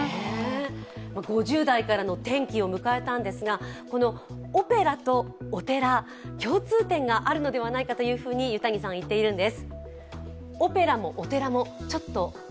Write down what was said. ５０代からの転機を迎えたんですが、オペラとお寺、共通点があるのではないかと油谷さんは言っているんです。